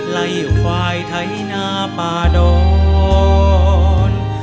ไล่ควายไถนาป่าดอน